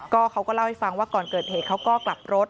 เขาก็เล่าให้ฟังว่าก่อนเกิดเหตุเขาก็กลับรถ